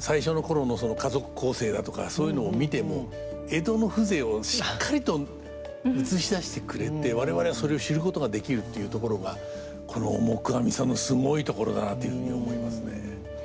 最初の頃の家族構成だとかそういうのを見ても江戸の風情をしっかりと映し出してくれて我々はそれを知ることができるっていうところがこの黙阿弥さんのすごいところだなというふうに思いますね。